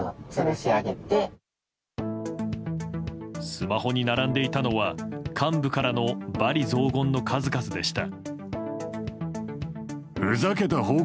スマホに並んでいたのは幹部からの罵詈雑言の数々でした。